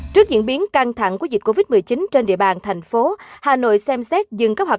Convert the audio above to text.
trước diễn biến căng thẳng của dịch covid một mươi chín trên địa bàn thành phố hà nội xem xét dừng các hoạt